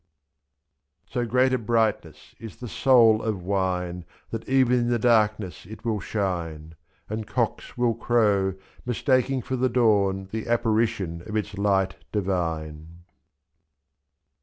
So great a brightness is the soul of wine That even in the darkness it will shine, ^^I'And cocks will crow, mistaking for the dawn The apparition of its light divine.